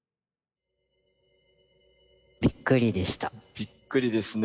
びっくりですね。